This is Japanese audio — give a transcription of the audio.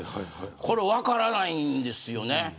分からないんですよね。